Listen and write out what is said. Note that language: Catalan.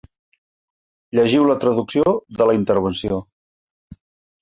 Llegiu la traducció de la intervenció.